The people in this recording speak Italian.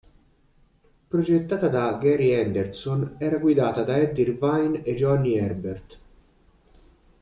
Progettata da Gary Anderson era guidata da Eddie Irvine e Johnny Herbert.